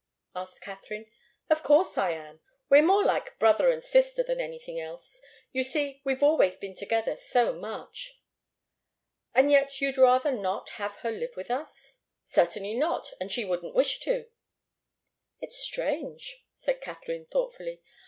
asked Katharine. "Of course I am. We're more like brother and sister than anything else. You see, we've always been together so much." "And yet you'd rather not have her live with us?" "Certainly not. And she wouldn't wish to." "It's strange," said Katharine, thoughtfully.